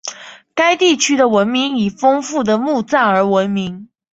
该地区的文明以丰富的墓葬而闻名。